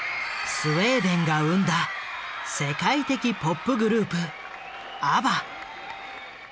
スウェーデンが生んだ世界的ポップグループ「ＡＢＢＡ」。